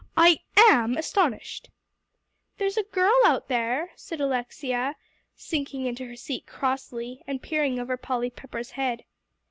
I am astonished." "There's a girl out there," said Alexia, sinking into her seat crossly, and peering over Polly Pepper's head.